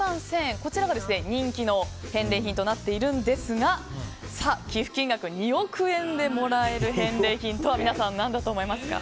こちらが人気の返礼品となっているんですが寄付金額２億円でもらえる返礼品とは何だと思う？